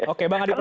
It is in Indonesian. oke bang hadi